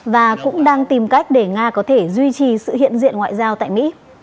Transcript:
và cũng đang tìm cách để nga có thể duy trì sự hiện diện ngoại giao tại mỹ